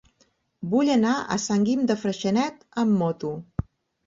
Vull anar a Sant Guim de Freixenet amb moto.